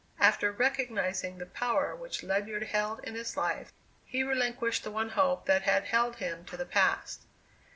After recognizing the power which Ledyard held in his life, he relinquished the one hope that had held him to the past.